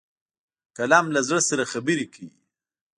قلم له زړه سره خبرې کوي